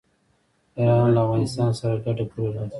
ایران له افغانستان سره ګډه پوله لري.